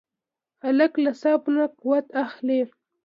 هلک له صبر نه قوت اخلي.